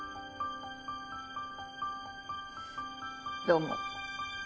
どうも。